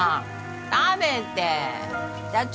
食べて社長